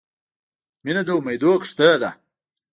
• مینه د امیدونو کښتۍ ده.